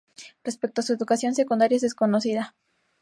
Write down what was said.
Respecto a su educación secundaria es desconocida.